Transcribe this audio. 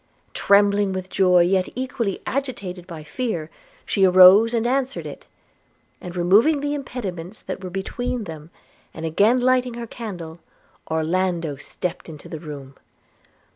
Trembling with joy, yet equally agitated by fear, she arose and answered it; and removing the impediments that were between them, and again lighting her candle, Orlando stepped into the room.